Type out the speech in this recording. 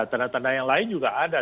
tanda tanda yang lain juga ada